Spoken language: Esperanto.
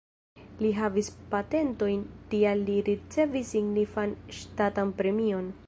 Li havis patentojn, tial li ricevis signifan ŝtatan premion.